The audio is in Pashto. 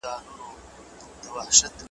خان په لور پسي کوله خیراتونه `